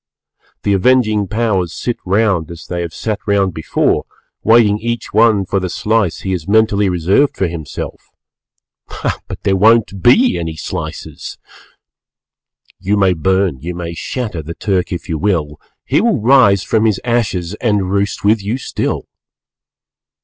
The avenging Powers sit round as they have sat round before, waiting each one for the slice he has mentally reserved for himself. But there won't be any slices! You may burn, you may shatter The Turk if you will, He will rise from his ashes _And roost with you still.